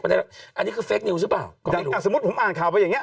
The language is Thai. อย่างจากสมมุติผมอ่านข่าวไปอย่างเนี้ย